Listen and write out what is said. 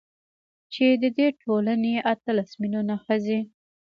چـې د دې ټـولـنې اتـلس مـيلـيونـه ښـځـې .